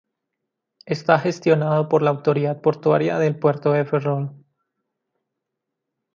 Está gestionado por la autoridad portuaria del puerto de Ferrol.